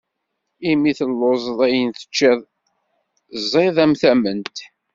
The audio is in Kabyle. Imi telluẓeḍ ayen teččiḍ ẓid am tamment.